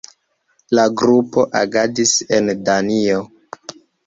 La grupo agadis en Danio.